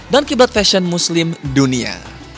dan kibat fashion muslim dunia